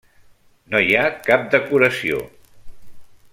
No hi ha cap decoració.